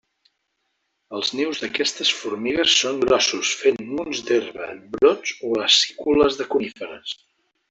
Els nius d'aquestes formigues són grossos fent munts d'herba, brots o acícules de coníferes.